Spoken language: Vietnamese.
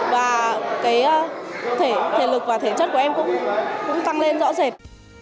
và cái thể thể lực và thể chất của em cũng tăng lên rõ rệt